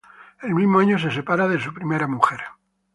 El mismo año se separa de su primera mujer.